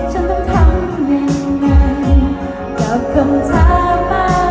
ก็แค่สำคัญให้ฉันเจอกันใจ